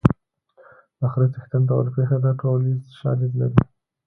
د خره څښتن ته ورپېښه ده ټولنیز شالید لري